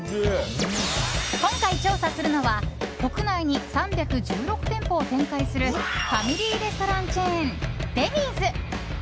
今回調査するのは国内に３１６店舗を展開するファミリーレストランチェーンデニーズ！